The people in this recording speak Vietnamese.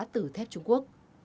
từ thép trung quốc